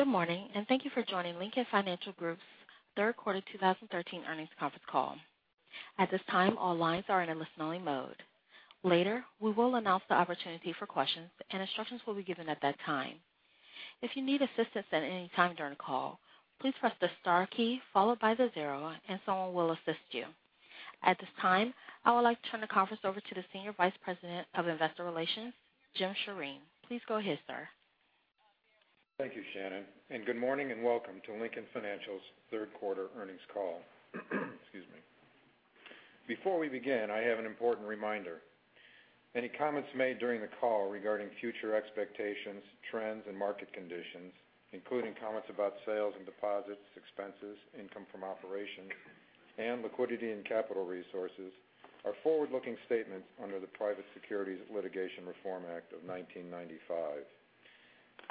Good morning, and thank you for joining Lincoln Financial Group's third quarter 2013 earnings conference call. At this time, all lines are in a listening mode. Later, we will announce the opportunity for questions, and instructions will be given at that time. If you need assistance at any time during the call, please press the star key followed by the 0 and someone will assist you. At this time, I would like to turn the conference over to the Senior Vice President of Investor Relations, Jim Sjoreen. Please go ahead, sir. Thank you, Shannon, and good morning and welcome to Lincoln Financial's third quarter earnings call. Excuse me. Before we begin, I have an important reminder. Any comments made during the call regarding future expectations, trends, and market conditions, including comments about sales and deposits, expenses, income from operations, and liquidity and capital resources, are forward-looking statements under the Private Securities Litigation Reform Act of 1995.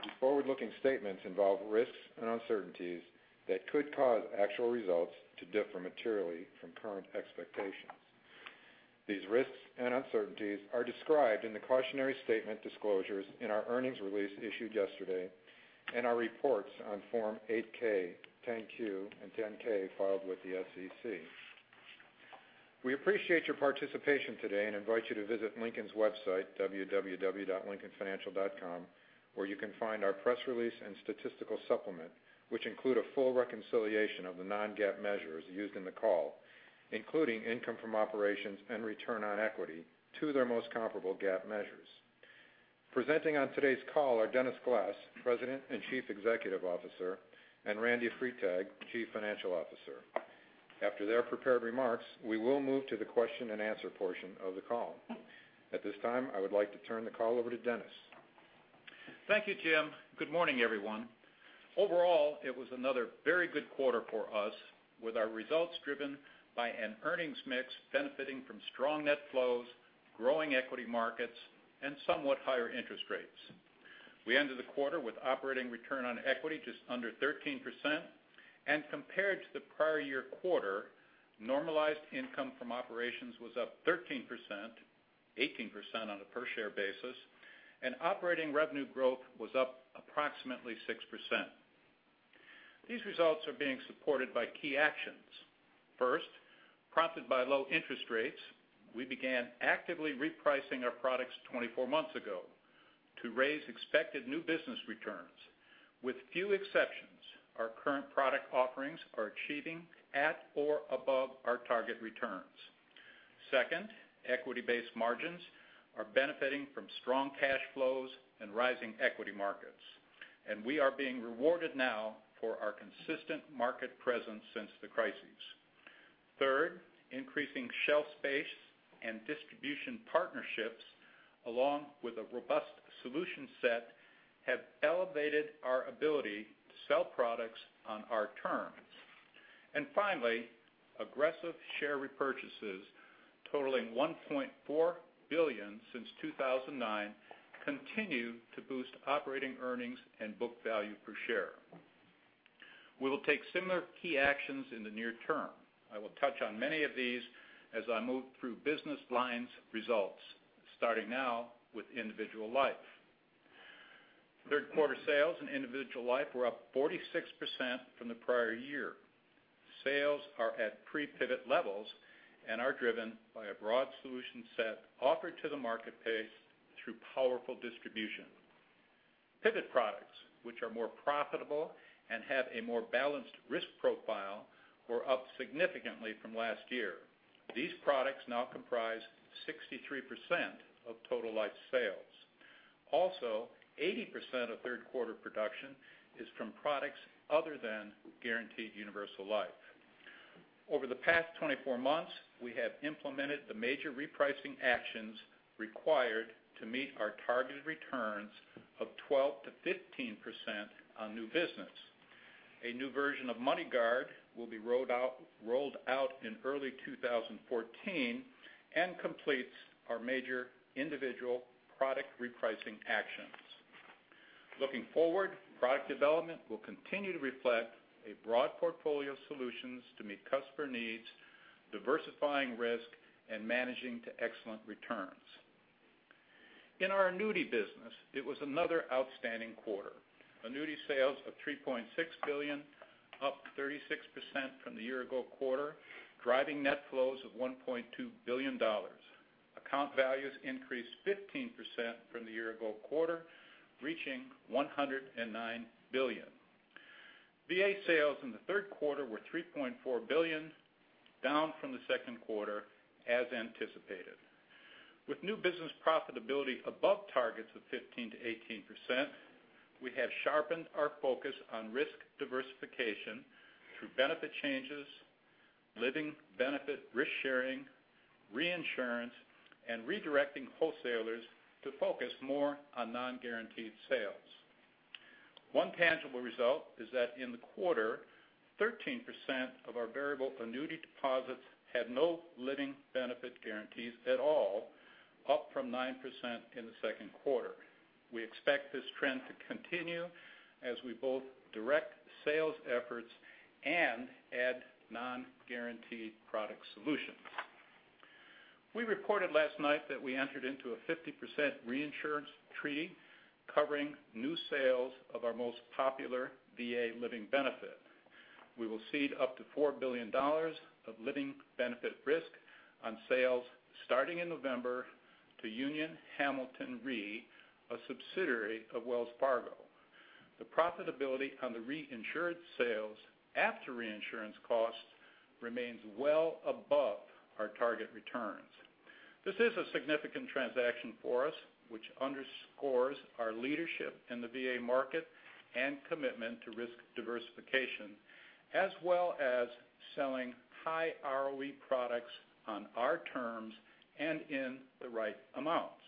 These forward-looking statements involve risks and uncertainties that could cause actual results to differ materially from current expectations. These risks and uncertainties are described in the cautionary statement disclosures in our earnings release issued yesterday and our reports on Form 8-K, 10-Q, and 10-K filed with the SEC. We appreciate your participation today and invite you to visit Lincoln's website, www.lincolnfinancial.com, where you can find our press release and statistical supplement, which include a full reconciliation of the non-GAAP measures used in the call, including income from operations and return on equity to their most comparable GAAP measures. Presenting on today's call are Dennis Glass, President and Chief Executive Officer, and Randy Freitag, Chief Financial Officer. After their prepared remarks, we will move to the question and answer portion of the call. At this time, I would like to turn the call over to Dennis. Thank you, Jim. Good morning, everyone. Overall, it was another very good quarter for us with our results driven by an earnings mix benefiting from strong net flows, growing equity markets, and somewhat higher interest rates. We ended the quarter with operating return on equity just under 13%, and compared to the prior year quarter, normalized income from operations was up 13%, 18% on a per share basis, and operating revenue growth was up approximately 6%. These results are being supported by key actions. First, prompted by low interest rates, we began actively repricing our products 24 months ago to raise expected new business returns. With few exceptions, our current product offerings are achieving at or above our target returns. Second, equity-based margins are benefiting from strong cash flows and rising equity markets, and we are being rewarded now for our consistent market presence since the crises. Third, increasing shelf space and distribution partnerships, along with a robust solution set, have elevated our ability to sell products on our terms. Finally, aggressive share repurchases totaling $1.4 billion since 2009 continue to boost operating earnings and book value per share. We will take similar key actions in the near term. I will touch on many of these as I move through business lines results, starting now with Individual Life. Third Quarter sales in Individual Life were up 46% from the prior year. Sales are at pre-pivot levels and are driven by a broad solution set offered to the marketplace through powerful distribution. Pivot products, which are more profitable and have a more balanced risk profile, were up significantly from last year. These products now comprise 63% of total life sales. Also, 80% of Third Quarter production is from products other than guaranteed universal life. Over the past 24 months, we have implemented the major repricing actions required to meet our targeted returns of 12%-15% on new business. A new version of MoneyGuard will be rolled out in early 2014 and completes our major individual product repricing actions. Looking forward, product development will continue to reflect a broad portfolio of solutions to meet customer needs, diversifying risk and managing to excellent returns. In our annuity business, it was another outstanding quarter. Annuity sales of $3.6 billion, up 36% from the year-ago quarter, driving net flows of $1.2 billion. Account values increased 15% from the year-ago quarter, reaching $109 billion. VA sales in the Third Quarter were $3.4 billion, down from the Second Quarter as anticipated. With new business profitability above targets of 15%-18%, we have sharpened our focus on risk diversification through benefit changes, living benefit risk sharing, reinsurance, and redirecting wholesalers to focus more on non-guaranteed sales. One tangible result is that in the quarter, 13% of our variable annuity deposits had no living benefit guarantees at all, up from 9% in the Second Quarter. We expect this trend to continue as we both direct sales efforts and add non-guaranteed product solutions. We reported last night that we entered into a 50% reinsurance treaty covering new sales of our most popular VA living benefit. We will cede up to $4 billion of living benefit risk on sales starting in November to Union Hamilton Re, a subsidiary of Wells Fargo. The profitability on the re-insured sales after reinsurance costs remains well above our target returns. This is a significant transaction for us, which underscores our leadership in the VA market and commitment to risk diversification, as well as selling high ROE products on our terms and in the right amounts.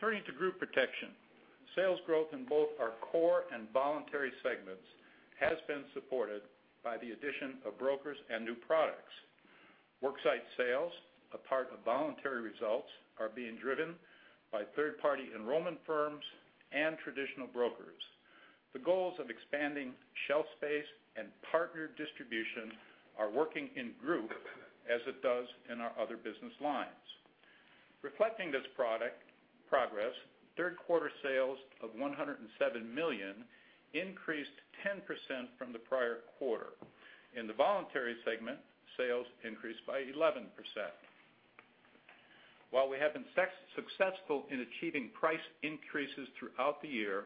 Turning to Group Protection, sales growth in both our core and voluntary segments has been supported by the addition of brokers and new products. Worksite sales, a part of voluntary results, are being driven by third-party enrollment firms and traditional brokers. The goals of expanding shelf space and partner distribution are working in Group as it does in our other business lines. Reflecting this progress, Third Quarter sales of $107 million increased 10% from the prior quarter. In the voluntary segment, sales increased by 11%. While we have been successful in achieving price increases throughout the year,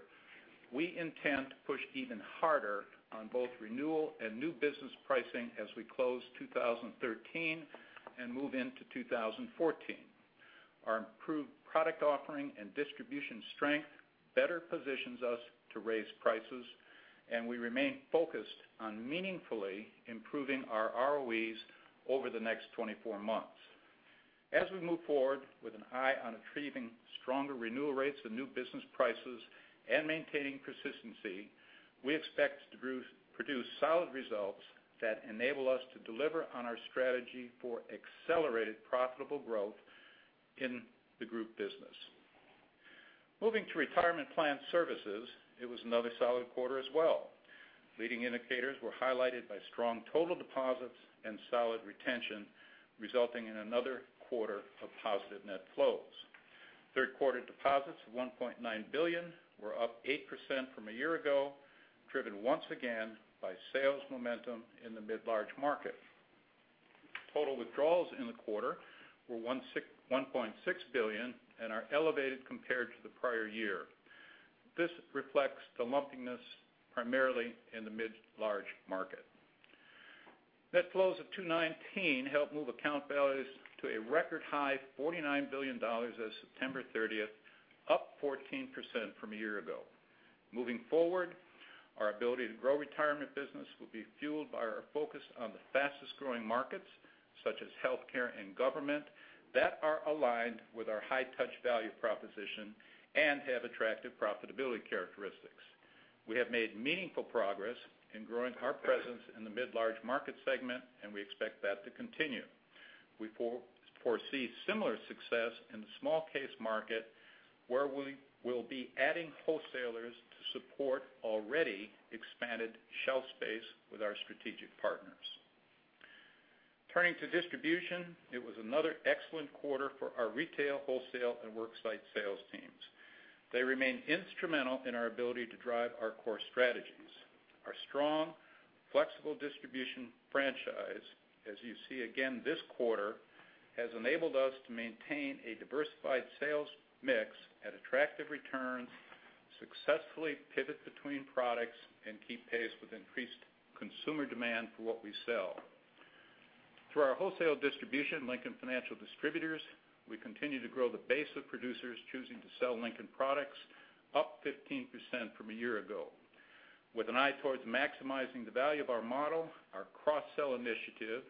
we intend to push even harder on both renewal and new business pricing as we close 2013 and move into 2014. Our improved product offering and distribution strength better positions us to raise prices, and we remain focused on meaningfully improving our ROEs over the next 24 months. As we move forward with an eye on achieving stronger renewal rates and new business prices and maintaining persistency, we expect to produce solid results that enable us to deliver on our strategy for accelerated profitable growth in the group business. Moving to Retirement Plan Services, it was another solid quarter as well. Leading indicators were highlighted by strong total deposits and solid retention, resulting in another quarter of positive net flows. Third quarter deposits of $1.9 billion were up 8% from a year ago, driven once again by sales momentum in the mid-large market. Total withdrawals in the quarter were $1.6 billion and are elevated compared to the prior year. This reflects the lumpiness primarily in the mid-large market. Net flows of $219 helped move account values to a record high $49 billion as of September 30th, up 14% from a year ago. Moving forward, our ability to grow retirement business will be fueled by our focus on the fastest-growing markets, such as healthcare and government, that are aligned with our high touch value proposition and have attractive profitability characteristics. We have made meaningful progress in growing our presence in the mid-large market segment, and we expect that to continue. We foresee similar success in the small case market, where we will be adding wholesalers to support already expanded shelf space with our strategic partners. Turning to distribution, it was another excellent quarter for our retail, wholesale, and worksite sales teams. They remain instrumental in our ability to drive our core strategies. Our strong, flexible distribution franchise, as you see again this quarter, has enabled us to maintain a diversified sales mix at attractive returns, successfully pivot between products, and keep pace with increased consumer demand for what we sell. Through our wholesale distribution, Lincoln Financial Distributors, we continue to grow the base of producers choosing to sell Lincoln products, up 15% from a year ago. With an eye towards maximizing the value of our model, our cross-sell initiative,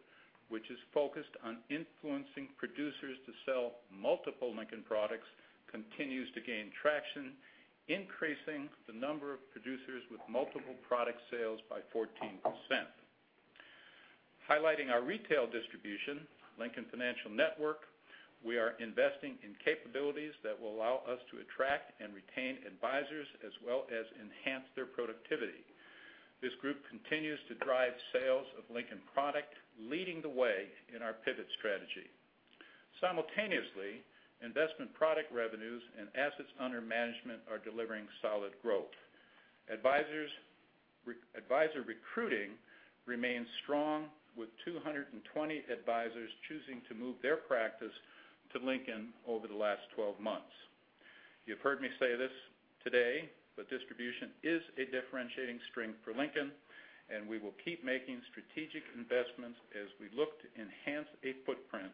which is focused on influencing producers to sell multiple Lincoln products, continues to gain traction, increasing the number of producers with multiple product sales by 14%. Highlighting our retail distribution, Lincoln Financial Network, we are investing in capabilities that will allow us to attract and retain advisors as well as enhance their productivity. This group continues to drive sales of Lincoln product, leading the way in our pivot strategy. Simultaneously, investment product revenues and assets under management are delivering solid growth. Advisor recruiting remains strong with 220 advisors choosing to move their practice to Lincoln over the last 12 months. You've heard me say this today, distribution is a differentiating strength for Lincoln, and we will keep making strategic investments as we look to enhance a footprint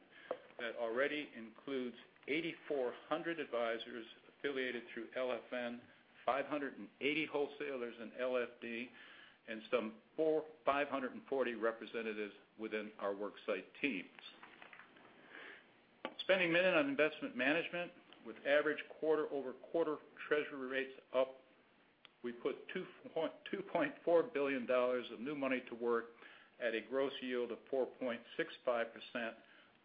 that already includes 8,400 advisors affiliated through LFN, 580 wholesalers in LFD, and some 540 representatives within our worksite teams. Spending a minute on investment management with average quarter-over-quarter treasury rates up, we put $2.4 billion of new money to work at a gross yield of 4.65%,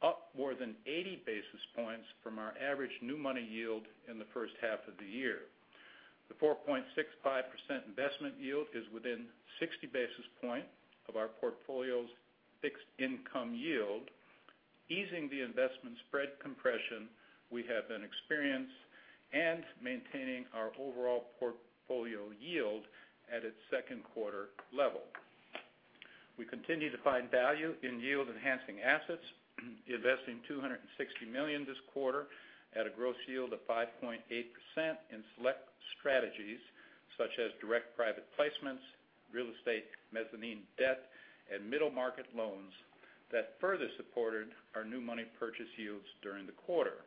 up more than 80 basis points from our average new money yield in the first half of the year. The 4.65% investment yield is within 60 basis points of our portfolio's fixed income yield, easing the investment spread compression we have been experienced, and maintaining our overall portfolio yield at its second quarter level. We continue to find value in yield-enhancing assets, investing $260 million this quarter at a gross yield of 5.8% in select strategies such as direct private placements, real estate mezzanine debt, and middle-market loans that further supported our new money purchase yields during the quarter.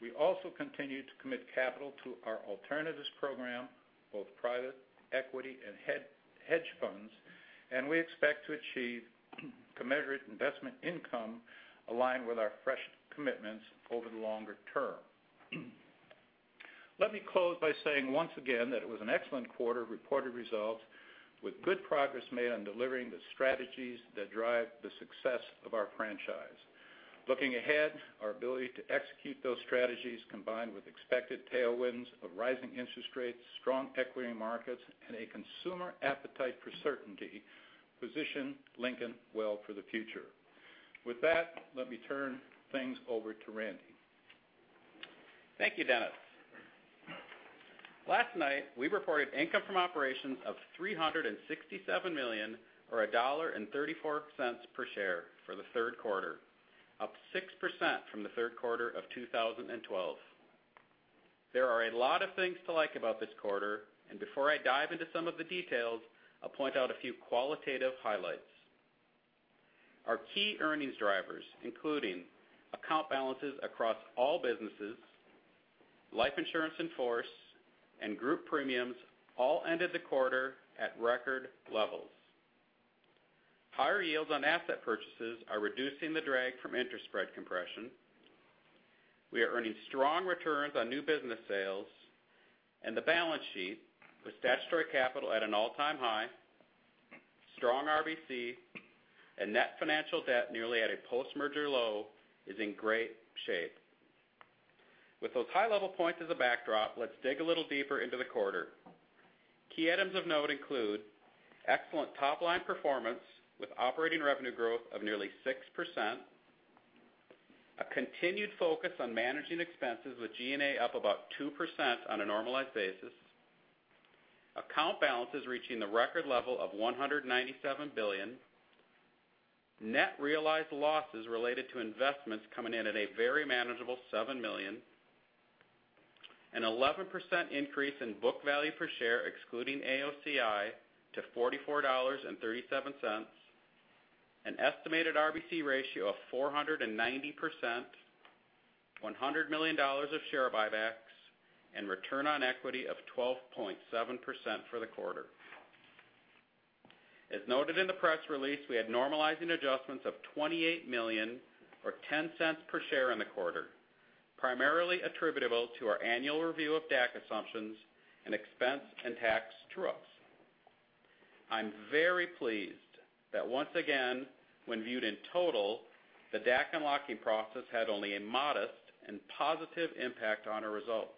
We also continued to commit capital to our alternatives program, both private equity and hedge funds, and we expect to achieve commensurate investment income aligned with our fresh commitments over the longer term. Let me close by saying once again that it was an excellent quarter of reported results, with good progress made on delivering the strategies that drive the success of our franchise. Looking ahead, our ability to execute those strategies, combined with expected tailwinds of rising interest rates, strong equity markets, and a consumer appetite for certainty, position Lincoln well for the future. With that, let me turn things over to Randy. Thank you, Dennis. Last night, we reported income from operations of $367 million, or $1.34 per share for the third quarter, up 6% from the third quarter of 2012. There are a lot of things to like about this quarter. Before I dive into some of the details, I'll point out a few qualitative highlights. Our key earnings drivers, including account balances across all businesses, life insurance in force, and group premiums, all ended the quarter at record levels. Higher yields on asset purchases are reducing the drag from interest spread compression. We are earning strong returns on new business sales and the balance sheet, with statutory capital at an all-time high, strong RBC and net financial debt nearly at a post-merger low, is in great shape. With those high-level points as a backdrop, let's dig a little deeper into the quarter. Key items of note include excellent top-line performance with operating revenue growth of nearly 6%, a continued focus on managing expenses with G&A up about 2% on a normalized basis, account balances reaching the record level of $197 billion, net realized losses related to investments coming in at a very manageable $7 million, an 11% increase in book value per share, excluding AOCI, to $44.37, an estimated RBC ratio of 490%, $100 million of share buybacks, and return on equity of 12.7% for the quarter. As noted in the press release, we had normalizing adjustments of $28 million, or $0.10 per share in the quarter, primarily attributable to our annual review of DAC assumptions and expense and tax true-ups. I'm very pleased that once again, when viewed in total, the DAC unlocking process had only a modest and positive impact on our results.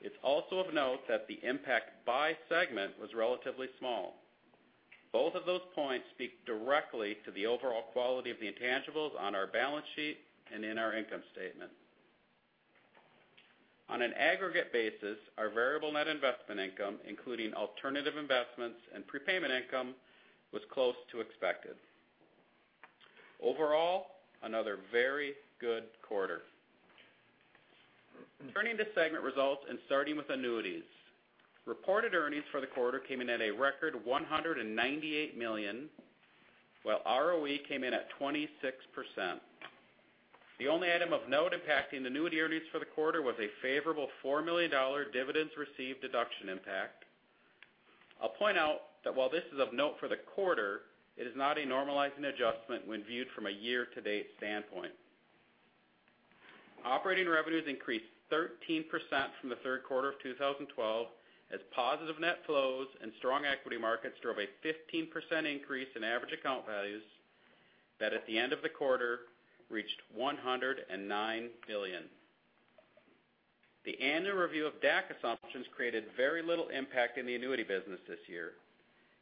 It's also of note that the impact by segment was relatively small. Both of those points speak directly to the overall quality of the intangibles on our balance sheet and in our income statement. On an aggregate basis, our variable net investment income, including alternative investments and prepayment income, was close to expected. Overall, another very good quarter. Turning to segment results and starting with annuities. Reported earnings for the quarter came in at a record $198 million, while ROE came in at 26%. The only item of note impacting annuity earnings for the quarter was a favorable $4 million dividends received deduction impact. I'll point out that while this is of note for the quarter, it is not a normalizing adjustment when viewed from a year-to-date standpoint. Operating revenues increased 13% from the third quarter of 2012 as positive net flows and strong equity markets drove a 15% increase in average account values that, at the end of the quarter, reached $109 billion. The annual review of DAC assumptions created very little impact in the annuity business this year.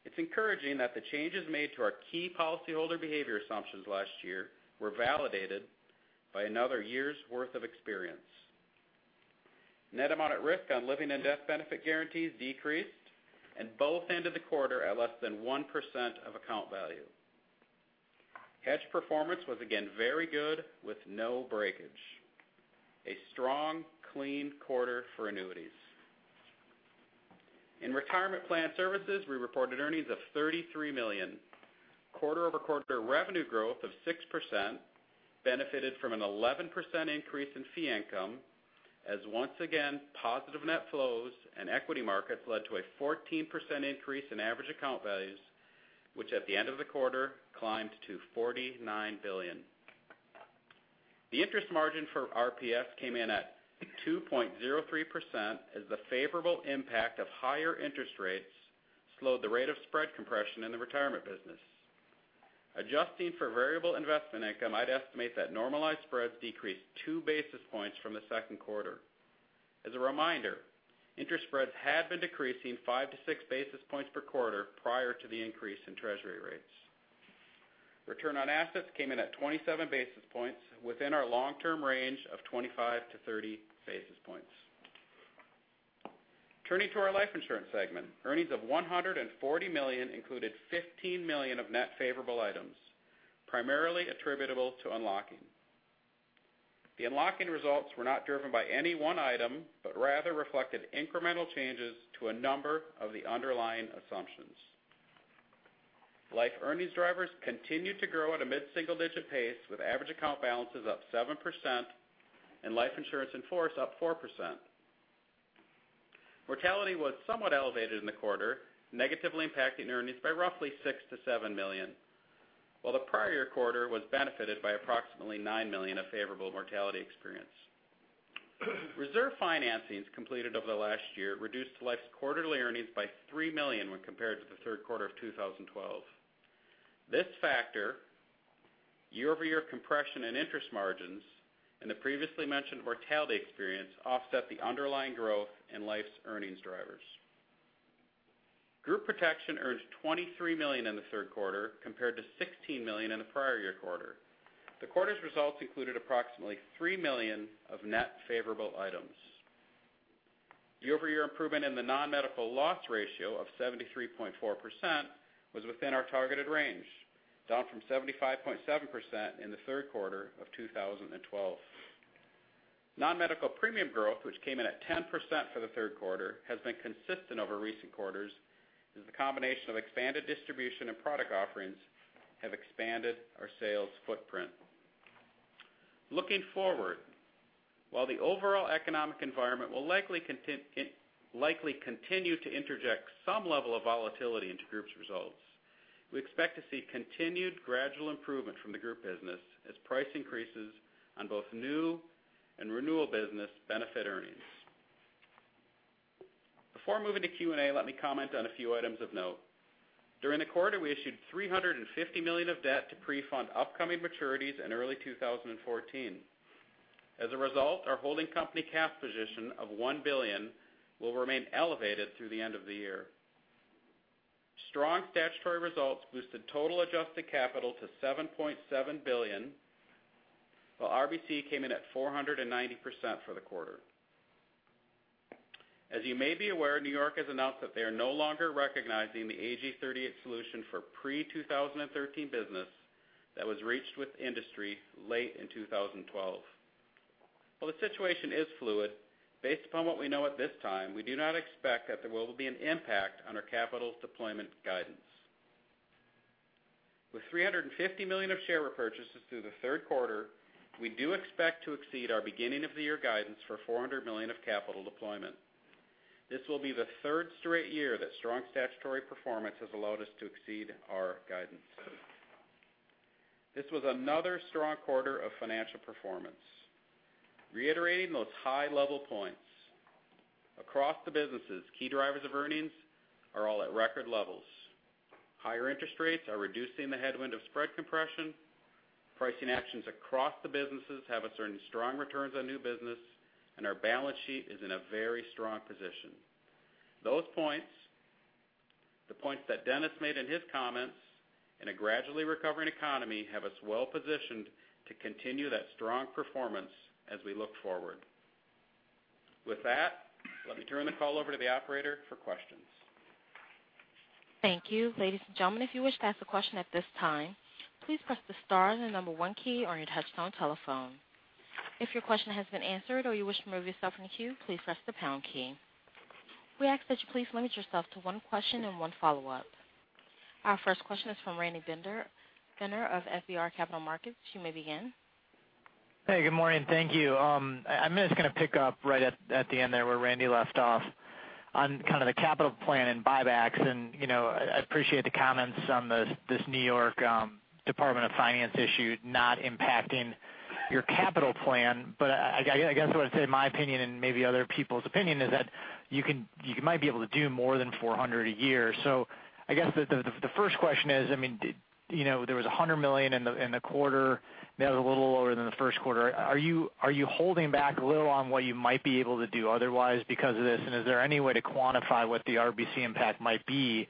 It's encouraging that the changes made to our key policyholder behavior assumptions last year were validated by another year's worth of experience. Net amount at risk on living and death benefit guarantees decreased and both ended the quarter at less than 1% of account value. Hedge performance was again very good, with no breakage. A strong, clean quarter for annuities. In retirement plan services, we reported earnings of $33 million. Quarter-over-quarter revenue growth of 6% benefited from an 11% increase in fee income as once again, positive net flows and equity markets led to a 14% increase in average account values, which at the end of the quarter climbed to $49 billion. The interest margin for RPS came in at 2.03% as the favorable impact of higher interest rates slowed the rate of spread compression in the retirement business. Adjusting for variable investment income, I'd estimate that normalized spreads decreased two basis points from the second quarter. As a reminder, interest spreads had been decreasing five to six basis points per quarter prior to the increase in Treasury rates. Return on assets came in at 27 basis points within our long-term range of 25 to 30 basis points. Turning to our life insurance segment, earnings of $140 million included $15 million of net favorable items, primarily attributable to unlocking. The unlocking results were not driven by any one item, but rather reflected incremental changes to a number of the underlying assumptions. Life earnings drivers continued to grow at a mid-single-digit pace, with average account balances up 7% and life insurance in force up 4%. Mortality was somewhat elevated in the quarter, negatively impacting earnings by roughly $6 million-$7 million, while the prior year quarter was benefited by approximately $9 million of favorable mortality experience. Reserve financings completed over the last year reduced life's quarterly earnings by $3 million when compared to the third quarter of 2012. This factor, year-over-year compression in interest margins, and the previously mentioned mortality experience offset the underlying growth in life's earnings drivers. Group protection earned $23 million in the third quarter, compared to $16 million in the prior year quarter. The quarter's results included approximately $3 million of net favorable items. Year-over-year improvement in the non-medical loss ratio of 73.4% was within our targeted range, down from 75.7% in the third quarter of 2012. Non-medical premium growth, which came in at 10% for the third quarter, has been consistent over recent quarters as the combination of expanded distribution and product offerings have expanded our sales footprint. Looking forward, while the overall economic environment will likely continue to interject some level of volatility into group's results, we expect to see continued gradual improvement from the group business as price increases on both new and renewal business benefit earnings. Before moving to Q&A, let me comment on a few items of note. During the quarter, we issued $350 million of debt to pre-fund upcoming maturities in early 2014. As a result, our holding company cash position of $1 billion will remain elevated through the end of the year. Strong statutory results boosted total adjusted capital to $7.7 billion, while RBC came in at 490% for the quarter. As you may be aware, New York has announced that they are no longer recognizing the AG 38 solution for pre-2013 business that was reached with industry late in 2012. While the situation is fluid, based upon what we know at this time, we do not expect that there will be an impact on our capital deployment guidance. With $350 million of share repurchases through the third quarter, we do expect to exceed our beginning of the year guidance for $400 million of capital deployment. This will be the third straight year that strong statutory performance has allowed us to exceed our guidance. This was another strong quarter of financial performance. Reiterating those high level points, across the businesses, key drivers of earnings are all at record levels. Higher interest rates are reducing the headwind of spread compression, pricing actions across the businesses have us earning strong returns on new business, our balance sheet is in a very strong position. Those points, the points that Dennis made in his comments, a gradually recovering economy have us well positioned to continue that strong performance as we look forward. With that, let me turn the call over to the operator for questions. Thank you. Ladies and gentlemen, if you wish to ask a question at this time, please press the star and the number one key on your touchtone telephone. If your question has been answered or you wish to remove yourself from the queue, please press the pound key. We ask that you please limit yourself to one question and one follow-up. Our first question is from Randy Binner of FBR Capital Markets. You may begin. Good morning. Thank you. I'm just going to pick up right at the end there where Randy left off on kind of the capital plan and buybacks. I appreciate the comments on this New York Department of Finance issue not impacting your capital plan. I guess what I'd say in my opinion and maybe other people's opinion is that you might be able to do more than $400 a year. I guess the first question is, there was $100 million in the quarter, that was a little lower than the first quarter. Are you holding back a little on what you might be able to do otherwise because of this? Is there any way to quantify what the RBC impact might be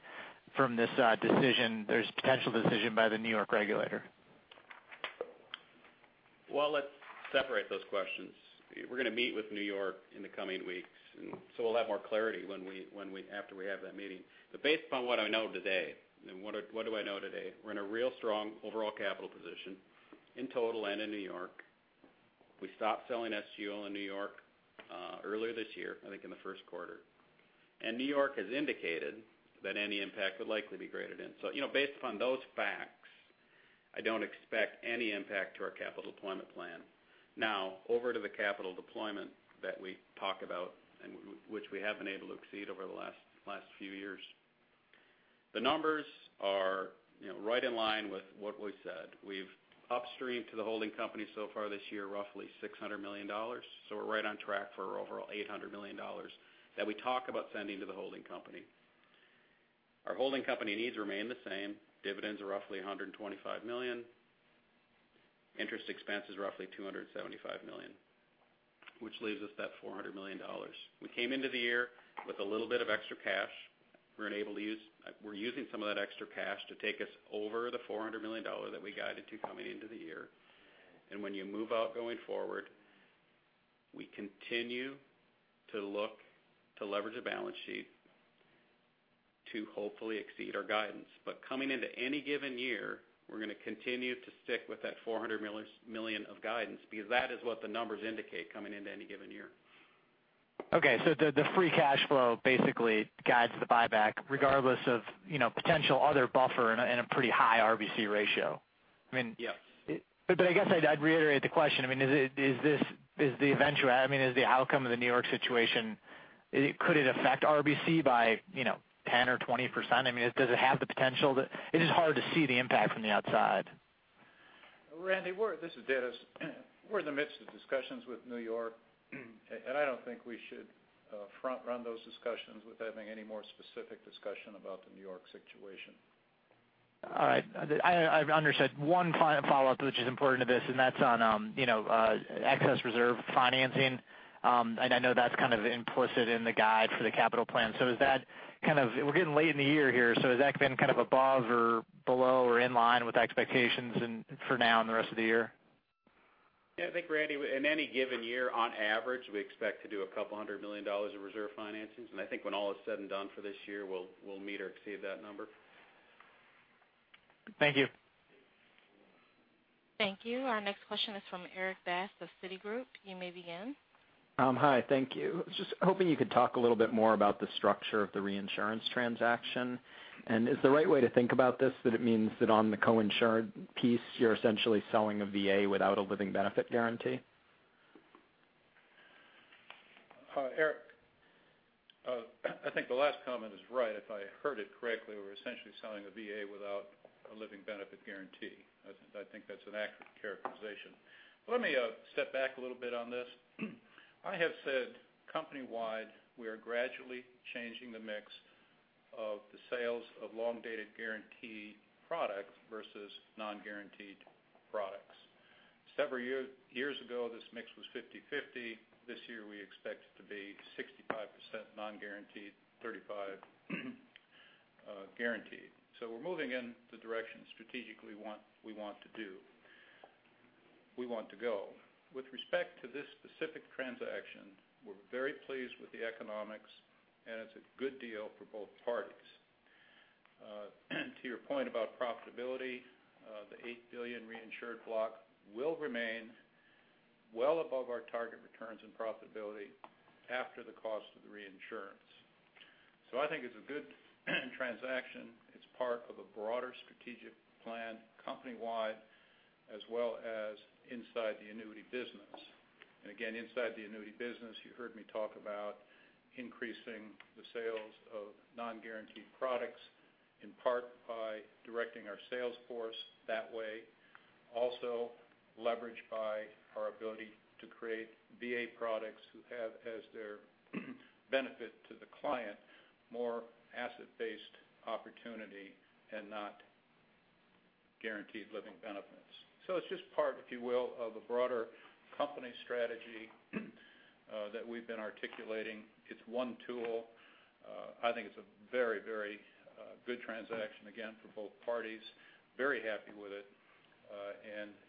from this potential decision by the New York regulator? Let's separate those questions. We're going to meet with New York in the coming weeks, so we'll have more clarity after we have that meeting. Based upon what I know today, and what do I know today? We're in a real strong overall capital position in total and in New York. We stopped selling SGO in New York earlier this year, I think in the first quarter. New York has indicated that any impact would likely be graded in. Based upon those facts, I don't expect any impact to our capital deployment plan. Over to the capital deployment that we talk about and which we have been able to exceed over the last few years. The numbers are right in line with what we said. We've upstreamed to the holding company so far this year, roughly $600 million. We're right on track for our overall $800 million that we talk about sending to the holding company. Our holding company needs remain the same. Dividends are roughly $125 million. Interest expense is roughly $275 million, which leaves us that $400 million. We came into the year with a little bit of extra cash. We're using some of that extra cash to take us over the $400 million that we guided to coming into the year. When you move out going forward, we continue to look to leverage the balance sheet to hopefully exceed our guidance. Coming into any given year, we're going to continue to stick with that $400 million of guidance, because that is what the numbers indicate coming into any given year. Okay. The free cash flow basically guides the buyback regardless of potential other buffer in a pretty high RBC ratio. Yes. I guess I'd reiterate the question. Is the outcome of the New York situation, could it affect RBC by 10% or 20%? Does it have the potential to? It's just hard to see the impact from the outside. Randy, this is Dennis. We're in the midst of discussions with New York, I don't think we should front-run those discussions with having any more specific discussion about the New York situation. All right. I understood. One final follow-up, which is important to this, that's on excess reserve financing. I know that's kind of implicit in the guide for the capital plan. We're getting late in the year here, has that been above or below or in line with expectations for now and the rest of the year? Yeah, I think, Randy, in any given year, on average, we expect to do a couple of hundred million dollars of reserve financings. I think when all is said and done for this year, we'll meet or exceed that number. Thank you. Thank you. Our next question is from Erik Bass of Citigroup. You may begin. Hi, thank you. I was just hoping you could talk a little bit more about the structure of the reinsurance transaction. Is the right way to think about this that it means that on the co-insured piece, you're essentially selling a VA without a living benefit guarantee? Erik, I think the last comment is right. If I heard it correctly, we're essentially selling a VA without a living benefit guarantee. I think that's an accurate characterization. Let me step back a little bit on this. I have said company-wide, we are gradually changing the mix of the sales of long-dated guarantee products versus non-guaranteed products. Several years ago, this mix was 50/50. This year, we expect it to be 65% non-guaranteed, 35% guaranteed. We're moving in the direction strategically we want to go. With respect to this specific transaction, we're very pleased with the economics, and it's a good deal for both parties. To your point about profitability, the $8 billion reinsured block will remain well above our target returns and profitability after the cost of the reinsurance. I think it's a good transaction. It's part of a broader strategic plan company-wide, as well as inside the annuity business. Again, inside the annuity business, you heard me talk about increasing the sales of non-guaranteed products, in part by directing our sales force that way. Also leveraged by our ability to create VA products who have as their benefit to the client, more asset-based opportunity and not guaranteed living benefits. It's just part, if you will, of a broader company strategy that we've been articulating. It's one tool. I think it's a very good transaction, again, for both parties. Very happy with it.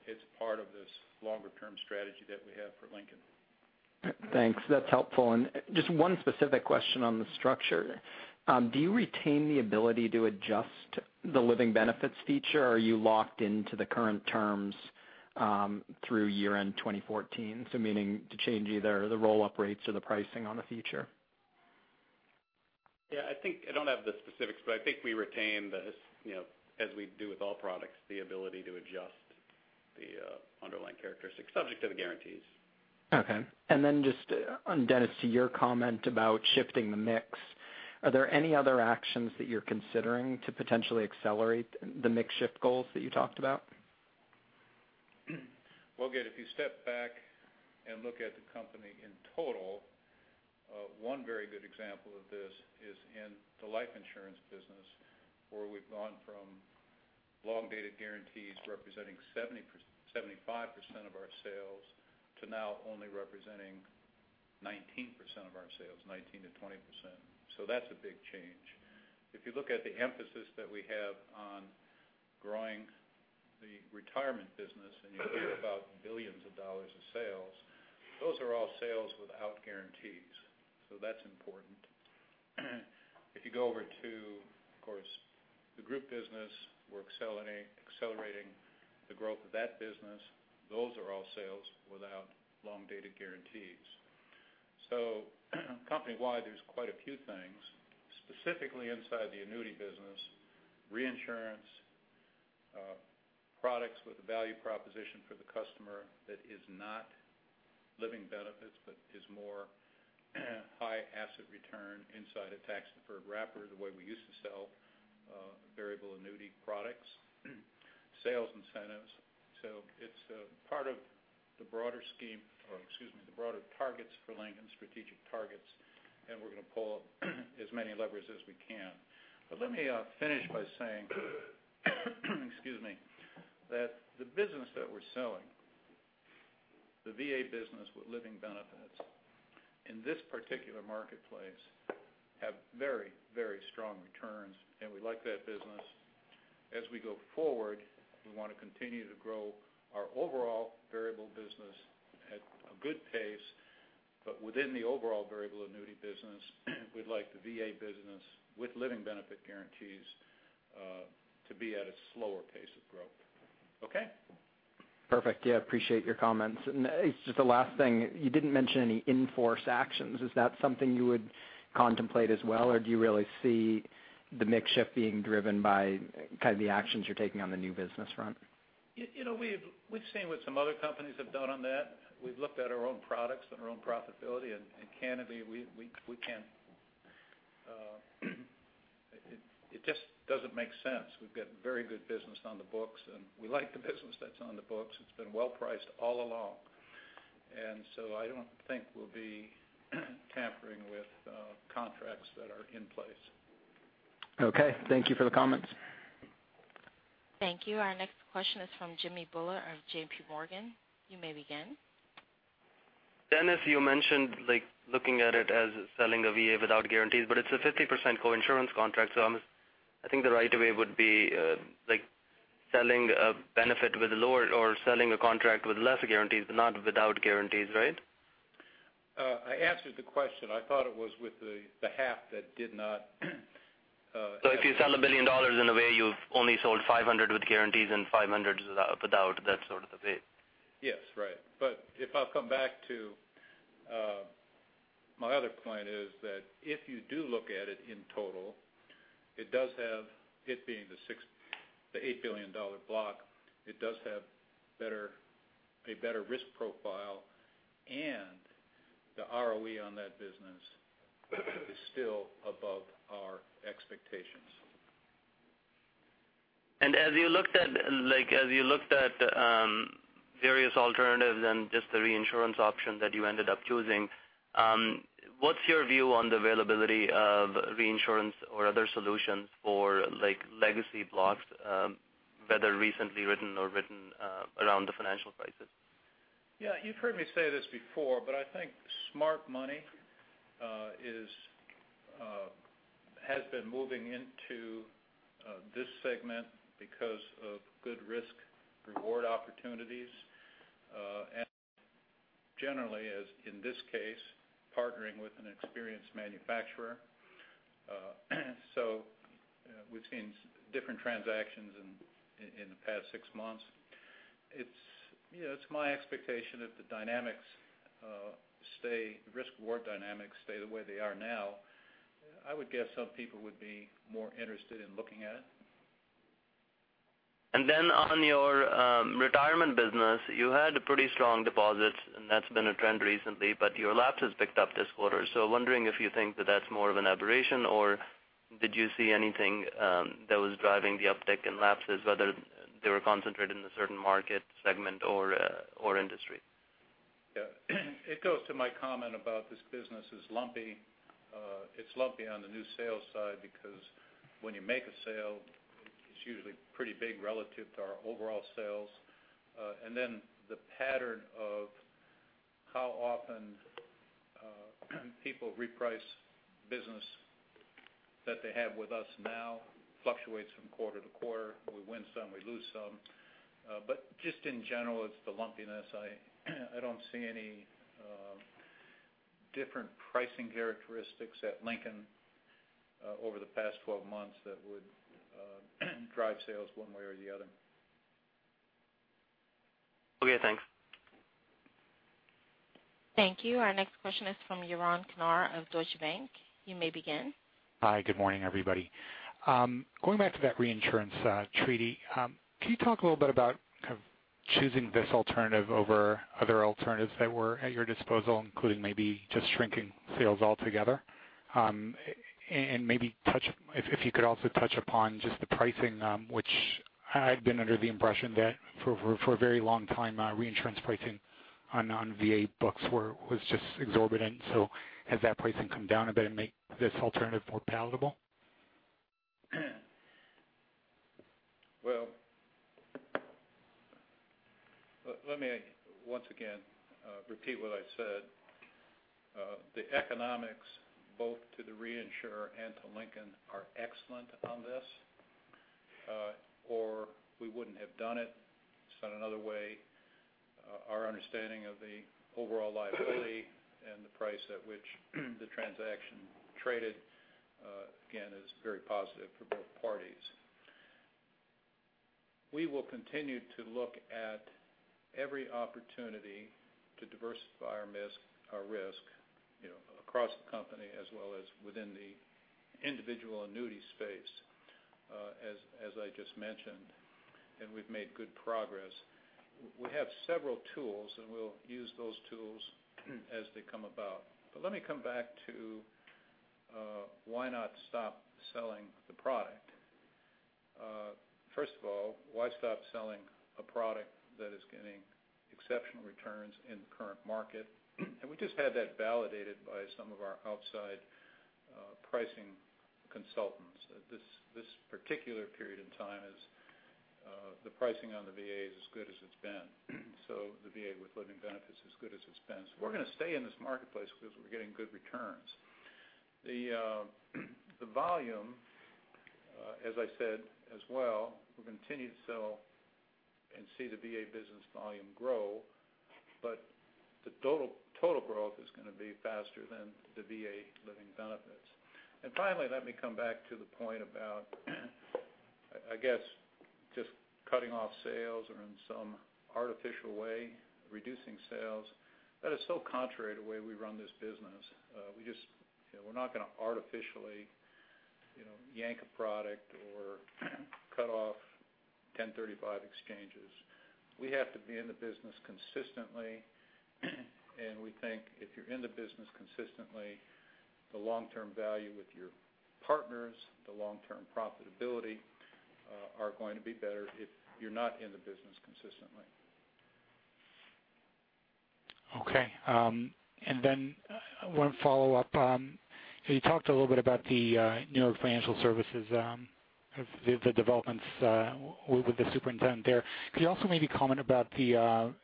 It's part of this longer-term strategy that we have for Lincoln. Thanks. That's helpful. Just one specific question on the structure. Do you retain the ability to adjust the living benefits feature, or are you locked into the current terms through year-end 2014? Meaning to change either the roll-up rates or the pricing on the feature? I don't have the specifics, I think we retain, as we do with all products, the ability to adjust the underlying characteristics subject to the guarantees. Okay. Just, Dennis, to your comment about shifting the mix, are there any other actions that you're considering to potentially accelerate the mix shift goals that you talked about? Well, again, if you step back and look at the company in total, one very good example of this is in the life insurance business, where we've gone from long-dated guarantees representing 75% of our sales, to now only representing 19% of our sales, 19%-20%. That's a big change. If you look at the emphasis that we have on growing the retirement business and you hear about billions of dollars of sales, those are all sales without guarantees. That's important. If you go over to, of course, the group business, we're accelerating the growth of that business. Those are all sales without long-dated guarantees. Company-wide, there's quite a few things, specifically inside the annuity business, reinsurance, products with a value proposition for the customer that is not living benefits, but is more high asset return inside a tax-deferred wrapper, the way we used to sell variable annuity products, sales incentives. It's a part of the broader scheme, or excuse me, the broader targets for Lincoln, strategic targets, and we're going to pull as many levers as we can. Let me finish by saying, excuse me, that the business that we're selling, the VA business with living benefits, in this particular marketplace have very, very strong returns, and we like that business. As we go forward, we want to continue to grow our overall variable business at a good pace, but within the overall variable annuity business, we'd like the VA business with living benefit guarantees to be at a slower pace of growth. Okay? Perfect. Yeah, appreciate your comments. It's just the last thing, you didn't mention any in-force actions. Is that something you would contemplate as well, or do you really see the mix shift being driven by kind of the actions you're taking on the new business front? We've seen what some other companies have done on that. We've looked at our own products and our own profitability, and candidly, it just doesn't make sense. We've got very good business on the books, and we like the business that's on the books. It's been well-priced all along. I don't think we'll be tampering with contracts that are in place. Okay. Thank you for the comments. Thank you. Our next question is from Jimmy Bhullar of J.P. Morgan. You may begin. Dennis, you mentioned looking at it as selling a VA without guarantees, but it's a 50% co-insurance contract, so I think the right way would be selling a benefit with lower or selling a contract with less guarantees, but not without guarantees, right? I answered the question. I thought it was with the half that did not. If you sell $1 billion in a way you've only sold $500 million with guarantees and $500 million without, that's sort of the way. Yes. Right. If I'll come back to my other point is that if you do look at it in total, it being the $8 billion block, it does have a better risk profile, and the ROE on that business is still above our expectations. As you looked at various alternatives than just the reinsurance option that you ended up choosing, what's your view on the availability of reinsurance or other solutions for legacy blocks, whether recently written or written around the financial crisis? Yeah. You've heard me say this before, but I think smart money has been moving into this segment because of good risk-reward opportunities. Generally, as in this case, partnering with an experienced manufacturer. We've seen different transactions in the past 6 months. It's my expectation if the risk-reward dynamics stay the way they are now, I would guess some people would be more interested in looking at it. On your retirement business, you had pretty strong deposits, and that's been a trend recently, but your lapses picked up this quarter. Wondering if you think that that's more of an aberration or did you see anything that was driving the uptick in lapses, whether they were concentrated in a certain market segment or industry? Yeah. It goes to my comment about this business is lumpy. It's lumpy on the new sales side because when you make a sale, it's usually pretty big relative to our overall sales. The pattern of how often people reprice business that they have with us now fluctuates from quarter to quarter. We win some, we lose some. Just in general, it's the lumpiness. I don't see any different pricing characteristics at Lincoln over the past 12 months that would drive sales one way or the other. Okay, thanks. Thank you. Our next question is from Yaron Kinar of Deutsche Bank. You may begin. Hi, good morning, everybody. Going back to that reinsurance treaty, can you talk a little bit about kind of choosing this alternative over other alternatives that were at your disposal, including maybe just shrinking sales altogether? Maybe if you could also touch upon just the pricing, which I'd been under the impression that for a very long time, reinsurance pricing on VA books was just exorbitant. Has that pricing come down a bit and make this alternative more palatable? Well, let me once again repeat what I said. The economics both to the reinsurer and to Lincoln are excellent on this, or we wouldn't have done it. Said another way, our understanding of the overall liability and the price at which the transaction traded, again, is very positive for both parties. We will continue to look at every opportunity to diversify our risk across the company as well as within the individual annuity space, as I just mentioned. We've made good progress. We have several tools. We'll use those tools as they come about. Let me come back to why not stop selling the product. First of all, why stop selling a product that is getting exceptional returns in the current market? We just had that validated by some of our outside pricing consultants. This particular period in time, the pricing on the VA is as good as it's been. The VA with living benefits is as good as it's been. We're going to stay in this marketplace because we're getting good returns. The volume, as I said as well, we continue to sell and see the VA business volume grow, the total growth is going to be faster than the VA living benefits. Finally, let me come back to the point about, just cutting off sales or in some artificial way, reducing sales. That is so contrary to the way we run this business. We're not going to artificially yank a product or cut off 1035 exchanges. We have to be in the business consistently, and we think if you're in the business consistently, the long-term value with your partners, the long-term profitability, are going to be better if you're not in the business consistently. Okay. One follow-up. You talked a little bit about the financial services, the developments with the superintendent there. Could you also maybe comment about the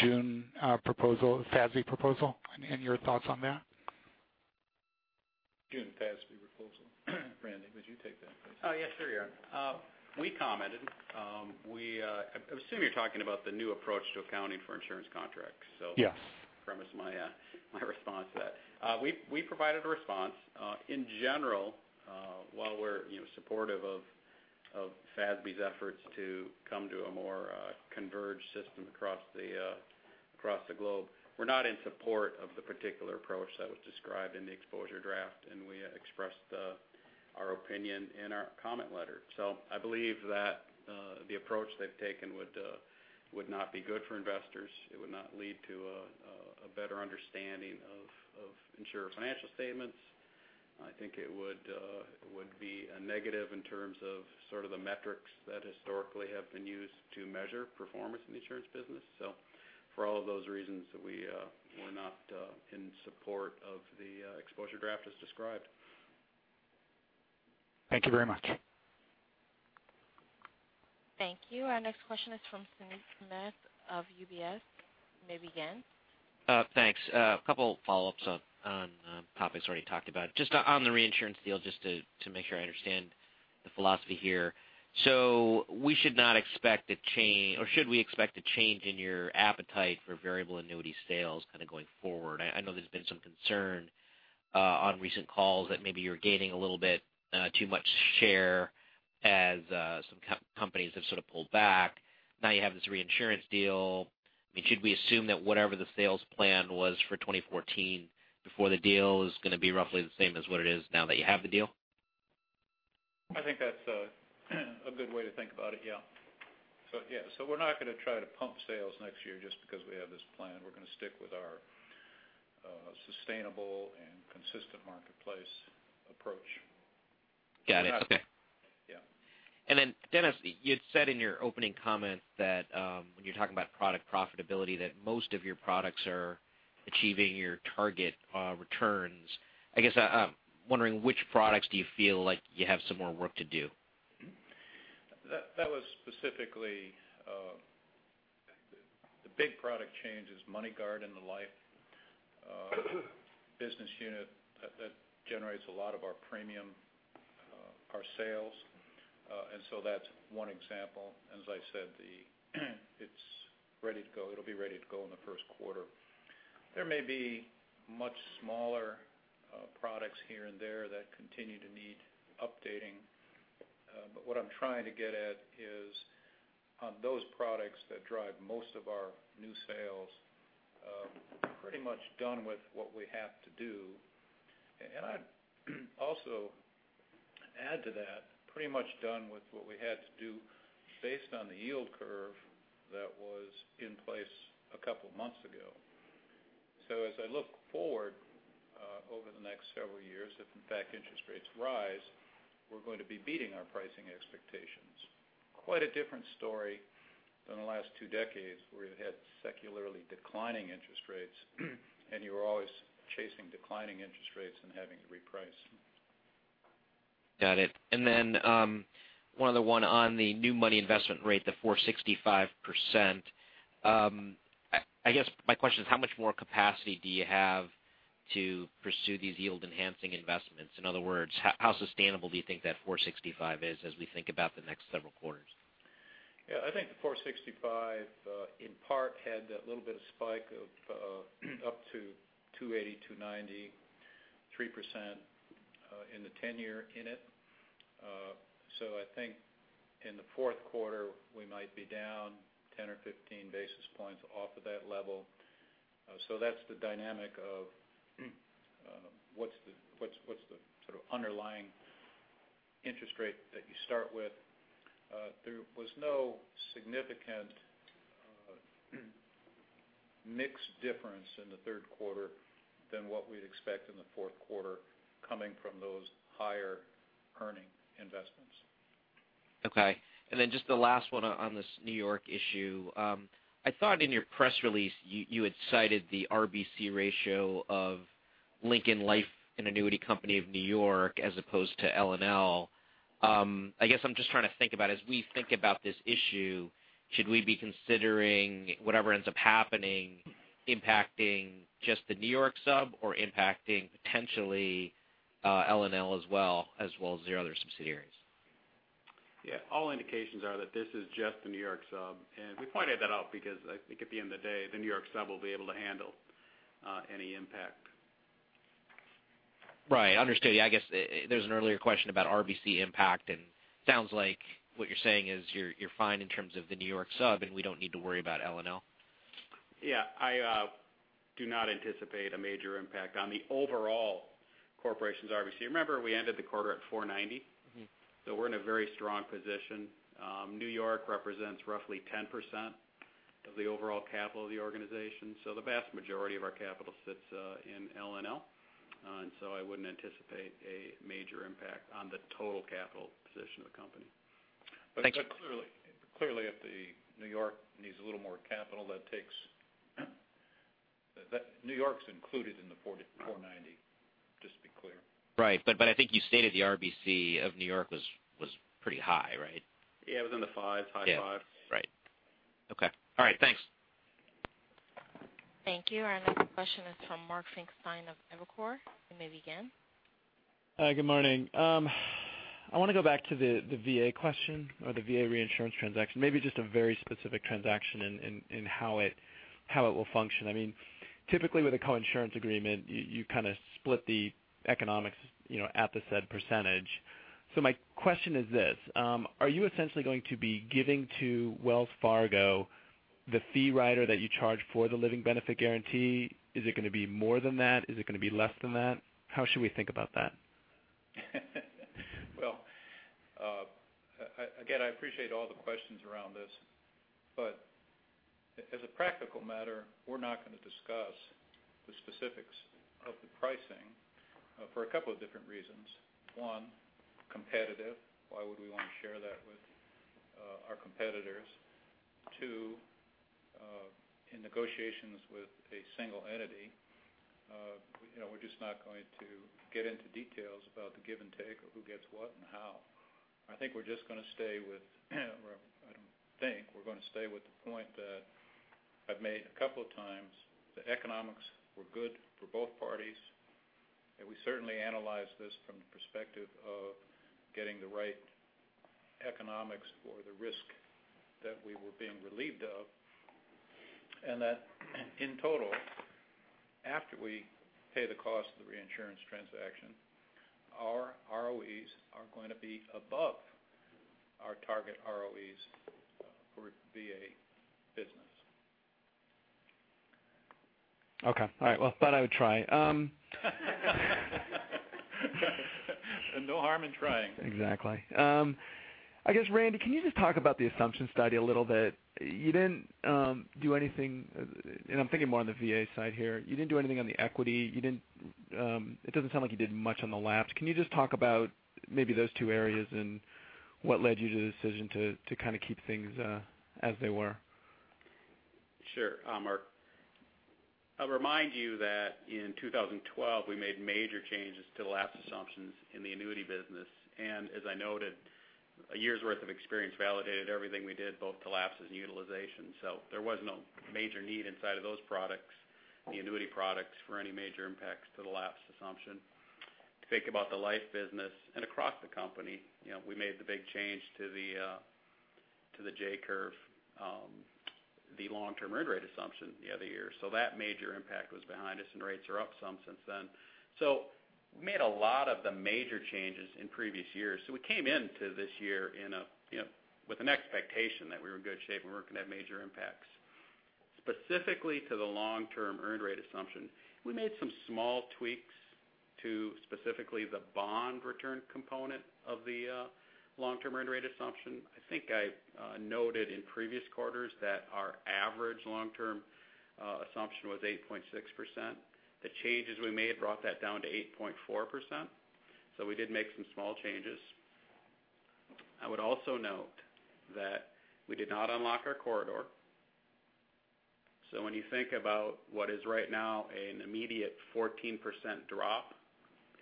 June proposal, FASB proposal, and your thoughts on that? June FASB proposal. Randy, would you take that, please? Oh, yes. Sure. We commented. I assume you're talking about the new approach to accounting for insurance contracts. Yes. Premise my response to that. We provided a response. In general, while we're supportive of FASB's efforts to come to a more converged system across the globe, we're not in support of the particular approach that was described in the exposure draft, and we expressed our opinion in our comment letter. I believe that the approach they've taken would not be good for investors. It would not lead to a better understanding of insurer financial statements. I think it would be a negative in terms of the metrics that historically have been used to measure performance in the insurance business. For all of those reasons, we're not in support of the exposure draft as described. Thank you very much. Thank you. Our next question is from Suneet Kamath of UBS. You may begin. Thanks. A couple follow-ups on topics already talked about. Just on the reinsurance deal, just to make sure I understand the philosophy here. Should we expect a change in your appetite for variable annuity sales going forward? I know there's been some concern on recent calls that maybe you're gaining a little bit too much share as some companies have sort of pulled back. Now you have this reinsurance deal. Should we assume that whatever the sales plan was for 2014 before the deal is going to be roughly the same as what it is now that you have the deal? I think that's a good way to think about it, yeah. We're not going to try to pump sales next year just because we have this plan. We're going to stick with our sustainable and consistent marketplace approach. Got it. Okay. Yeah. Dennis, you had said in your opening comment that when you're talking about product profitability, that most of your products are achieving your target returns. I guess I'm wondering which products do you feel like you have some more work to do? That was specifically the big product change is MoneyGuard and the life business unit. That generates a lot of our premium, our sales. That's one example. As I said, it'll be ready to go in the first quarter. There may be much smaller products here and there that continue to need updating. What I'm trying to get at is on those products that drive most of our new sales, we're pretty much done with what we have to do. I'd also add to that, pretty much done with what we had to do based on the yield curve that was in place a couple of months ago. As I look forward over the next several years, if in fact interest rates rise, we're going to be beating our pricing expectations. Quite a different story than the last two decades where you had secularly declining interest rates, and you were always chasing declining interest rates and having to reprice. Got it. One other one on the new money investment rate, the 4.65%. I guess my question is how much more capacity do you have to pursue these yield-enhancing investments? In other words, how sustainable do you think that 4.65 is as we think about the next several quarters? Yeah. I think the 4.65, in part, had that little bit of spike of up to 280, 293% in the 10-year in it. I think in the fourth quarter, we might be down 10 or 15 basis points off of that level. That's the dynamic of what's the sort of underlying interest rate that you start with. There was no significant mix difference in the third quarter than what we'd expect in the fourth quarter coming from those higher earning investments. Okay. Just the last one on this New York issue. I thought in your press release, you had cited the RBC ratio of Lincoln Life & Annuity Company of New York as opposed to LNL. I guess I'm just trying to think about as we think about this issue, should we be considering whatever ends up happening, impacting just the New York sub or impacting potentially LNL as well, as well as the other subsidiaries? Yeah. All indications are that this is just the New York sub. We pointed that out because I think at the end of the day, the New York sub will be able to handle any impact. Right. Understood. Yeah, I guess there's an earlier question about RBC impact. Sounds like what you're saying is you're fine in terms of the New York sub, and we don't need to worry about LNL. Yeah. I do not anticipate a major impact on the overall corporation's RBC. Remember, we ended the quarter at 490. We're in a very strong position. New York represents roughly 10% of the overall capital of the organization, so the vast majority of our capital sits in LNL. I wouldn't anticipate a major impact on the total capital position of the company. Thank you. Clearly, if the New York needs a little more capital, that takes New York's included in the 490, just to be clear. Right. I think you stated the RBC of New York was pretty high, right? Yeah, it was in the five, high five. Yeah. Right. Okay. All right. Thanks. Thank you. Our next question is from Mark Finkelstein of Evercore. You may begin. Hi, good morning. I want to go back to the VA question or the VA reinsurance transaction. Maybe just a very specific transaction in how it will function. Typically, with a co-insurance agreement, you split the economics at the said percentage. My question is this, are you essentially going to be giving to Wells Fargo the fee rider that you charge for the living benefit guarantee? Is it going to be more than that? Is it going to be less than that? How should we think about that? Well, again, I appreciate all the questions around this, as a practical matter, we're not going to discuss the specifics of the pricing for a couple of different reasons. One, competitive. Why would we want to share that with our competitors? Two, in negotiations with a single entity, we're just not going to get into details about the give and take or who gets what and how. I think we're just going to stay with the point that I've made a couple of times, the economics were good for both parties, and we certainly analyzed this from the perspective of getting the right economics for the risk that we were being relieved of. That in total, after we pay the cost of the reinsurance transaction, our ROEs are going to be above our target ROEs for VA business. Okay. All right. Well, thought I would try. No harm in trying. Exactly. I guess, Randy, can you just talk about the assumptions study a little bit? You didn't do anything, and I'm thinking more on the VA side here. You didn't do anything on the equity. It doesn't sound like you did much on the laps. Can you just talk about maybe those two areas and what led you to the decision to keep things as they were? Sure. Mark, I'll remind you that in 2012, we made major changes to the lapse assumptions in the annuity business. As I noted, a year's worth of experience validated everything we did, both to lapses and utilization. There was no major need inside of those products, the annuity products, for any major impacts to the lapse assumption. To think about the life business and across the company, we made the big change to the J-curve, the long-term earned rate assumption the other year. That major impact was behind us, and rates are up some since then. We made a lot of the major changes in previous years. We came into this year with an expectation that we were in good shape and we weren't going to have major impacts. Specifically to the long-term earned rate assumption, we made some small tweaks to specifically the bond return component of the long-term earned rate assumption. I think I noted in previous quarters that our average long-term assumption was 8.6%. The changes we made brought that down to 8.4%, so we did make some small changes. I would also note that we did not unlock our corridor. When you think about what is right now an immediate 14% drop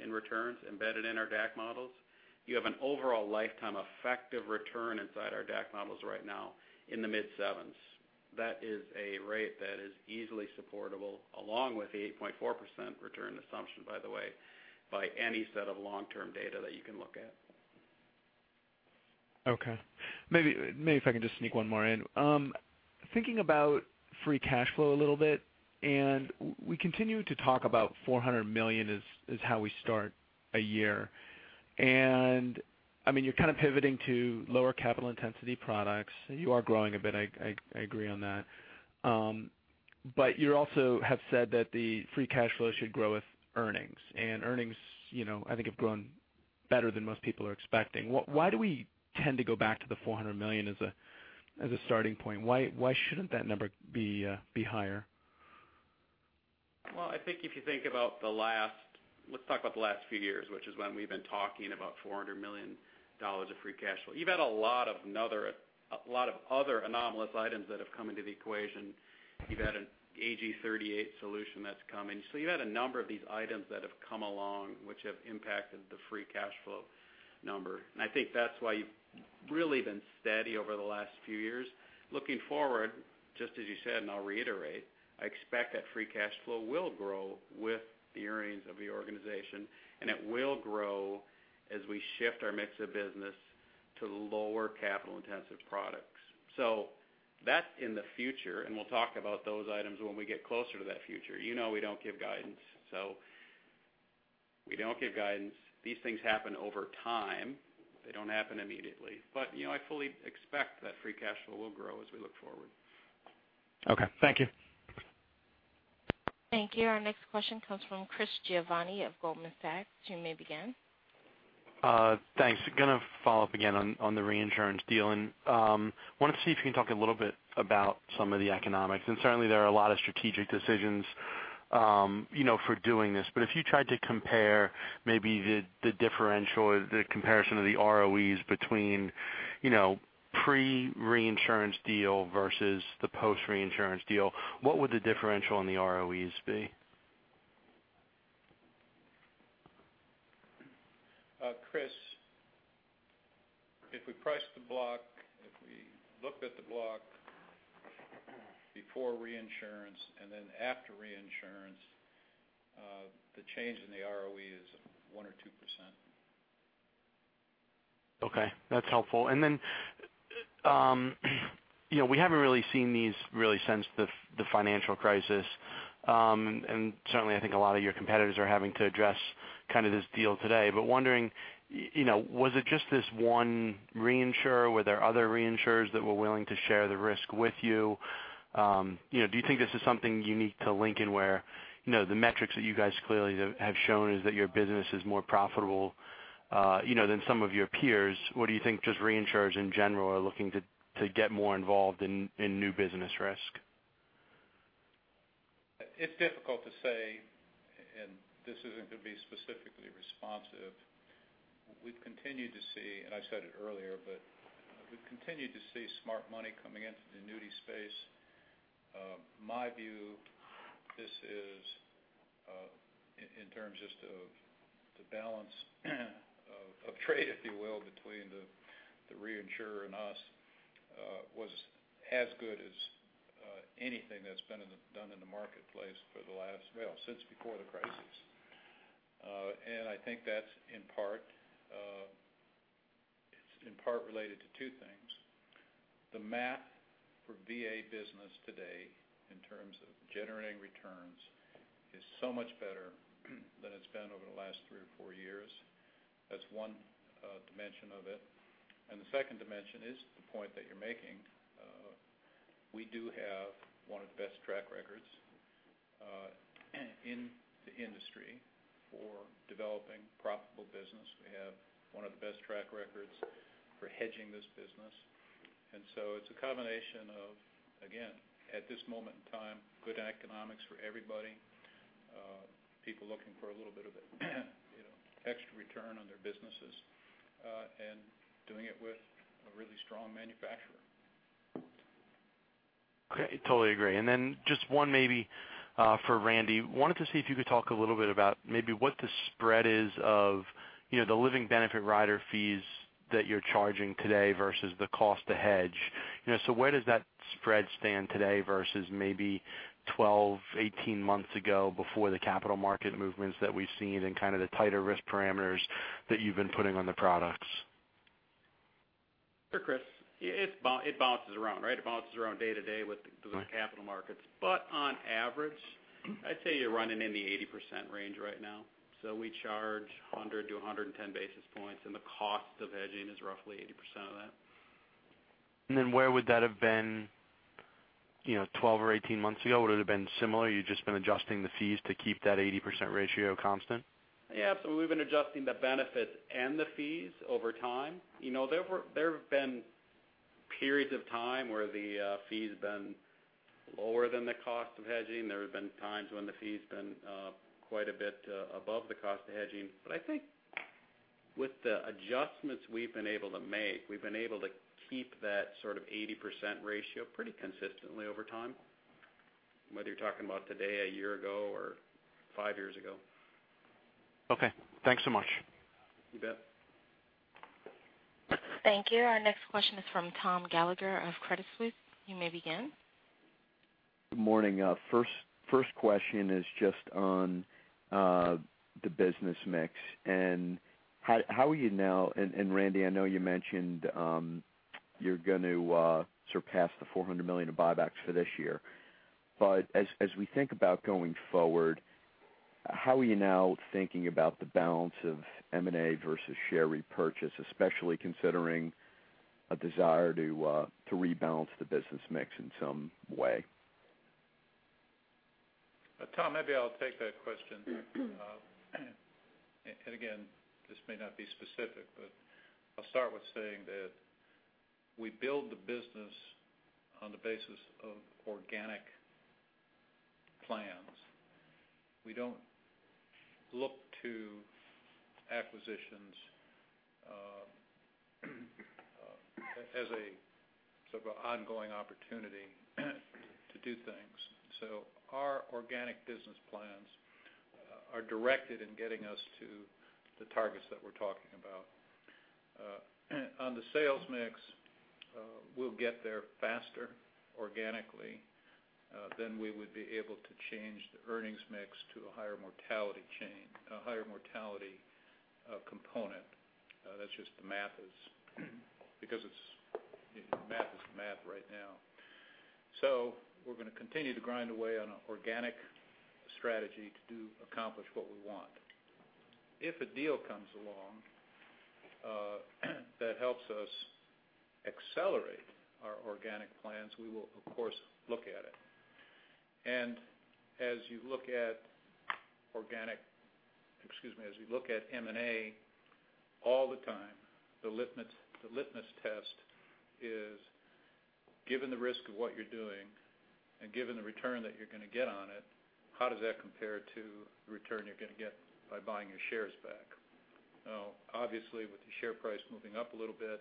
in returns embedded in our DAC models, you have an overall lifetime effective return inside our DAC models right now in the mid sevens. That is a rate that is easily supportable, along with the 8.4% return assumption, by the way, by any set of long-term data that you can look at. Okay. Maybe if I can just sneak one more in. Thinking about free cash flow a little bit, and we continue to talk about $400 million as how we start a year. You're pivoting to lower capital intensity products. You are growing a bit, I agree on that. You also have said that the free cash flow should grow with earnings. Earnings, I think have grown better than most people are expecting. Why do we tend to go back to the $400 million as a starting point? Why shouldn't that number be higher? Well, I think if you think about the last, let's talk about the last few years, which is when we've been talking about $400 million of free cash flow. You've had a lot of other anomalous items that have come into the equation. You've had an AG 38 solution that's coming. You've had a number of these items that have come along which have impacted the free cash flow number. I think that's why you've really been steady over the last few years. Looking forward, just as you said, and I'll reiterate, I expect that free cash flow will grow with the earnings of the organization, and it will grow as we shift our mix of business to lower capital intensive products. That's in the future, and we'll talk about those items when we get closer to that future. You know we don't give guidance, we don't give guidance. These things happen over time. They don't happen immediately. I fully expect that free cash flow will grow as we look forward. Okay, thank you. Thank you. Our next question comes from Chris Giovanni of Goldman Sachs. You may begin. Thanks. Going to follow up again on the reinsurance deal, wanted to see if you can talk a little bit about some of the economics, certainly there are a lot of strategic decisions for doing this. If you tried to compare maybe the differential, the comparison of the ROEs between pre-reinsurance deal versus the post-reinsurance deal, what would the differential on the ROEs be? Chris, if we priced the block, if we looked at the block before reinsurance and then after reinsurance, the change in the ROE is 1% or 2%. Okay, that's helpful. We haven't really seen these really since the financial crisis. I think a lot of your competitors are having to address kind of this deal today, but wondering, was it just this one reinsurer? Were there other reinsurers that were willing to share the risk with you? Do you think this is something unique to Lincoln where the metrics that you guys clearly have shown is that your business is more profitable than some of your peers? Just reinsurers in general are looking to get more involved in new business risk? It's difficult to say, and this isn't going to be specifically responsive. We've continued to see, and I said it earlier, but we've continued to see smart money coming into the annuity space. My view, this is, in terms just of the balance of trade, if you will, between the reinsurer and us, was as good as anything that's been done in the marketplace for the last, well, since before the crisis. That's in part related to two things. The math for VA business today, in terms of generating returns, is so much better than it's been over the last three or four years. That's one dimension of it. Is the point that you're making. We do have one of the best track records in the industry for developing profitable business. We have one of the best track records for hedging this business. It's a combination of, again, at this moment in time, good economics for everybody, people looking for a little bit of extra return on their businesses, and doing it with a really strong manufacturer. Okay, totally agree. Just one maybe for Randy. Wanted to see if you could talk a little bit about maybe what the spread is of the living benefit rider fees that you're charging today versus the cost to hedge. Where does that spread stand today versus maybe 12, 18 months ago before the capital market movements that we've seen and kind of the tighter risk parameters that you've been putting on the products? Sure, Chris. It bounces around, right? It bounces around day to day with the capital markets. On average, I'd say you're running in the 80% range right now. We charge 100 to 110 basis points, and the cost of hedging is roughly 80% of that. Where would that have been 12 or 18 months ago? Would it have been similar? You've just been adjusting the fees to keep that 80% ratio constant? Yeah, absolutely. We've been adjusting the benefits and the fees over time. There have been periods of time where the fee's been lower than the cost of hedging. There have been times when the fee's been quite a bit above the cost of hedging. I think with the adjustments we've been able to make, we've been able to keep that sort of 80% ratio pretty consistently over time, whether you're talking about today, a year ago, or five years ago. Okay, thanks so much. You bet. Thank you. Our next question is from Thomas Gallagher of Credit Suisse. You may begin. Good morning. First question is just on the business mix. How are you now, and Randy, I know you mentioned you're going to surpass the $400 million of buybacks for this year. As we think about going forward How are you now thinking about the balance of M&A versus share repurchase, especially considering a desire to rebalance the business mix in some way? Tom, maybe I'll take that question. Again, this may not be specific, but I'll start with saying that we build the business on the basis of organic plans. We don't look to acquisitions as a sort of ongoing opportunity to do things. Our organic business plans are directed in getting us to the targets that we're talking about. On the sales mix, we'll get there faster organically than we would be able to change the earnings mix to a higher mortality component. That's just the math is, because math is math right now. We're going to continue to grind away on an organic strategy to accomplish what we want. If a deal comes along that helps us accelerate our organic plans, we will of course, look at it. As you look at M&A all the time, the litmus test is, given the risk of what you're doing and given the return that you're going to get on it, how does that compare to the return you're going to get by buying your shares back? Now, obviously, with the share price moving up a little bit,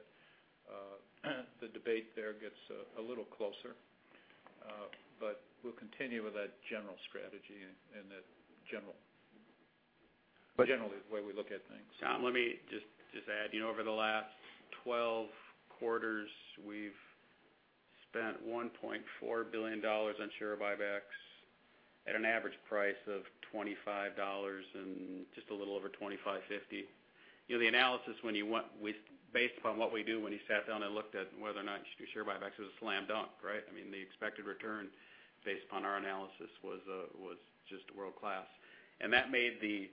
the debate there gets a little closer. We'll continue with that general strategy and the general way we look at things. Tom, let me just add, over the last 12 quarters, we've spent $1.4 billion on share buybacks at an average price of $25 and just a little over $25.50. The analysis based upon what we do when you sat down and looked at whether or not share buybacks was a slam dunk, right? I mean, the expected return based upon our analysis was just world-class. That made the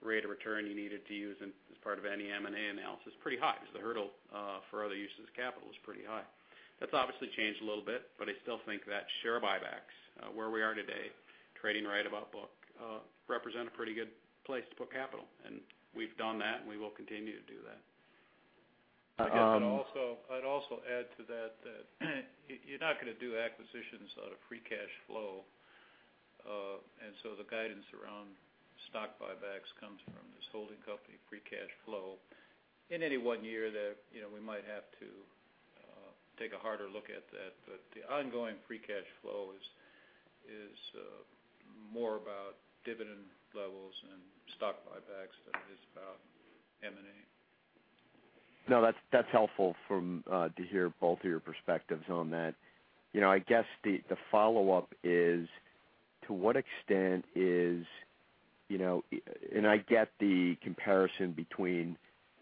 rate of return you needed to use as part of any M&A analysis pretty high because the hurdle for other uses of capital was pretty high. That's obviously changed a little bit, but I still think that share buybacks where we are today, trading right about book represent a pretty good place to put capital. We've done that, and we will continue to do that. I'd also add to that you're not going to do acquisitions out of free cash flow. The guidance around stock buybacks comes from this holding company free cash flow. In any one year, we might have to take a harder look at that. The ongoing free cash flow is more about dividend levels and stock buybacks than it is about M&A. No, that's helpful to hear both of your perspectives on that. I guess the follow-up is to what extent is, and I get the comparison between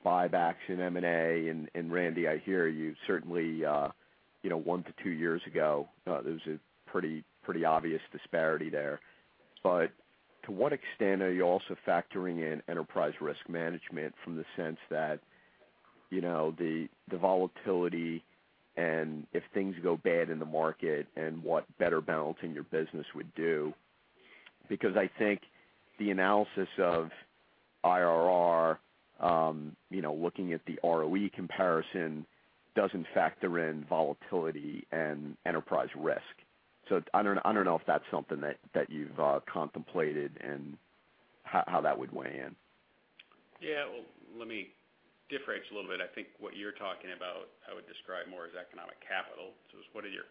buybacks and M&A, and Randy, I hear you certainly 1 to 2 years ago, there was a pretty obvious disparity there. To what extent are you also factoring in enterprise risk management from the sense that the volatility and if things go bad in the market and what better balancing your business would do? I think the analysis of IRR looking at the ROE comparison doesn't factor in volatility and enterprise risk. I don't know if that's something that you've contemplated and how that would weigh in. Yeah. Well, let me differentiate a little bit. I think what you're talking about, I would describe more as economic capital. It's what are your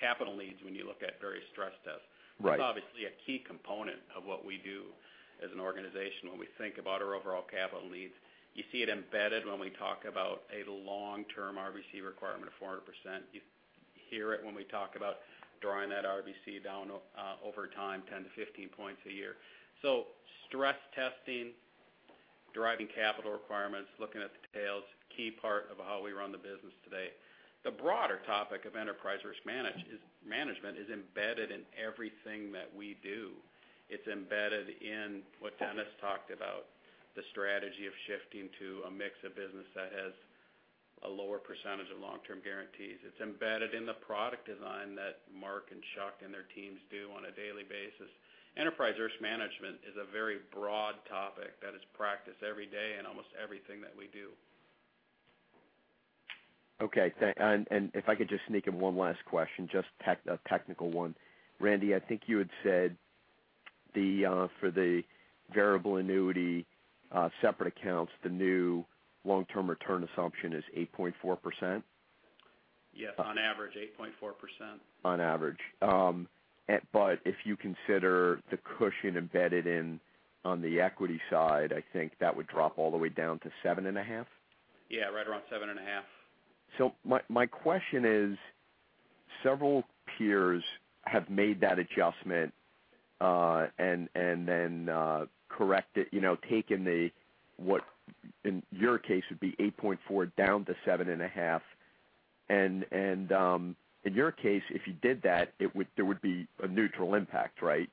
capital needs when you look at various stress tests. Right. It's obviously a key component of what we do as an organization when we think about our overall capital needs. You see it embedded when we talk about a long-term RBC requirement of 400%. You hear it when we talk about drawing that RBC down over time 10 to 15 points a year. Stress testing, driving capital requirements, looking at the tails, key part of how we run the business today. The broader topic of enterprise risk management is embedded in everything that we do. It's embedded in what Dennis talked about, the strategy of shifting to a mix of business that has a lower percentage of long-term guarantees. It's embedded in the product design that Mark and Chuck and their teams do on a daily basis. Enterprise risk management is a very broad topic that is practiced every day in almost everything that we do. Okay, if I could just sneak in one last question, just a technical one. Randy, I think you had said for the variable annuity separate accounts, the new long-term return assumption is 8.4%? Yes, on average, 8.4%. On average. If you consider the cushion embedded in on the equity side, I think that would drop all the way down to 7.5? Right around 7.5. My question is, several peers have made that adjustment, then taken what in your case would be 8.4 down to 7.5. In your case, if you did that, there would be a neutral impact, right?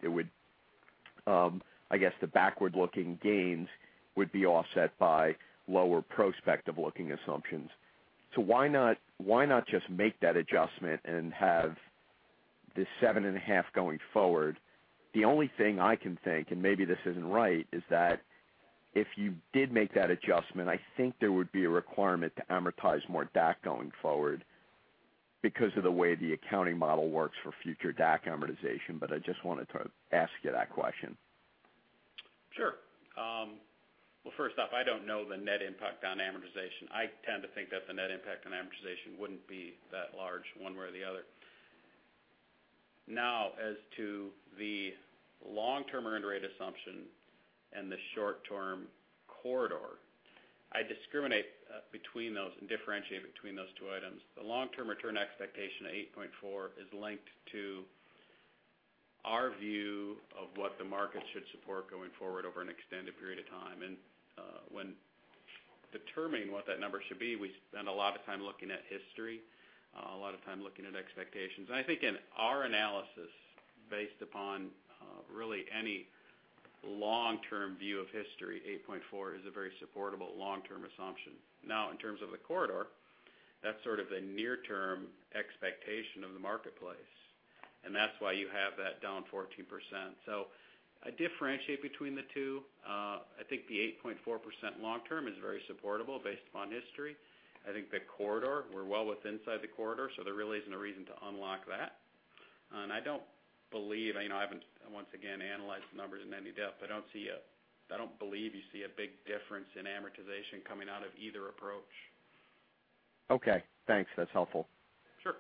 I guess the backward-looking gains would be offset by lower prospective-looking assumptions. Why not just make that adjustment and have this 7.5 going forward? The only thing I can think, and maybe this isn't right, is that if you did make that adjustment, I think there would be a requirement to amortize more DAC going forward because of the way the accounting model works for future DAC amortization. I just wanted to ask you that question. Sure. Well, first off, I don't know the net impact on amortization. I tend to think that the net impact on amortization wouldn't be that large one way or the other. As to the long-term earn rate assumption and the short-term corridor, I discriminate between those and differentiate between those two items. The long-term return expectation of 8.4 is linked to our view of what the market should support going forward over an extended period of time. When determining what that number should be, we spend a lot of time looking at history, a lot of time looking at expectations. I think in our analysis, based upon really any long-term view of history, 8.4 is a very supportable long-term assumption. In terms of the corridor, that's sort of a near-term expectation of the marketplace, and that's why you have that down 14%. I differentiate between the two. I think the 8.4% long term is very supportable based upon history. I think the corridor, we're well with inside the corridor, so there really isn't a reason to unlock that. I don't believe, I haven't, once again, analyzed the numbers in any depth, but I don't believe you see a big difference in amortization coming out of either approach. Okay, thanks. That's helpful. Sure.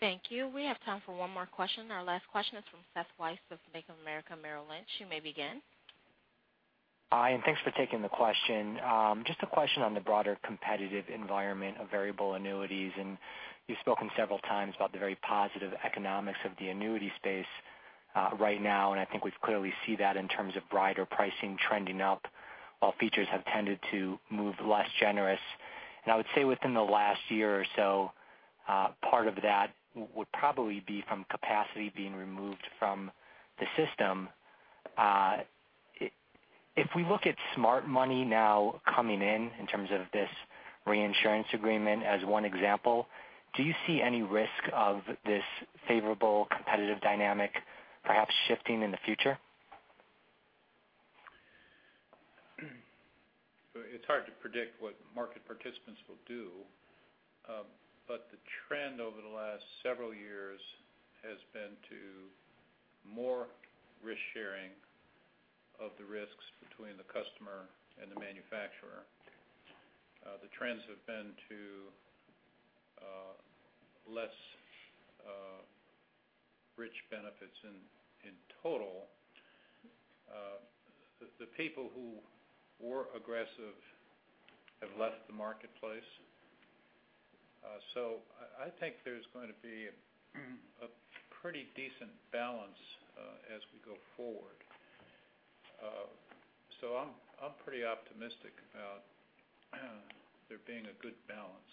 Thank you. We have time for one more question. Our last question is from Seth Weiss of Bank of America Merrill Lynch. You may begin. Hi, thanks for taking the question. Just a question on the broader competitive environment of variable annuities. You've spoken several times about the very positive economics of the annuity space right now, and I think we clearly see that in terms of rider pricing trending up while features have tended to move less generous. I would say within the last year or so, part of that would probably be from capacity being removed from the system. If we look at smart money now coming in terms of this reinsurance agreement as one example, do you see any risk of this favorable competitive dynamic perhaps shifting in the future? It's hard to predict what market participants will do. The trend over the last several years has been to more risk-sharing of the risks between the customer and the manufacturer. The trends have been to less rich benefits in total. The people who were aggressive have left the marketplace. I think there's going to be a pretty decent balance as we go forward. I'm pretty optimistic about there being a good balance,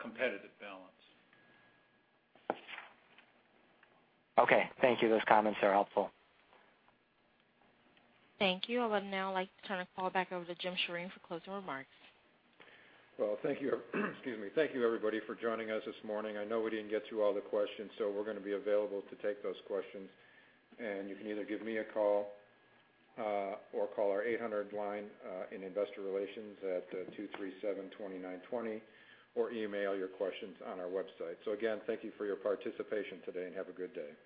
competitive balance. Okay, thank you. Those comments are helpful. Thank you. I would now like to turn the call back over to Jim Sjoreen for closing remarks. Well, thank you, excuse me, thank you, everybody, for joining us this morning. I know we didn't get to all the questions. We're going to be available to take those questions. You can either give me a call or call our 800 line in investor relations at 237-2920, or email your questions on our website. Again, thank you for your participation today, and have a good day.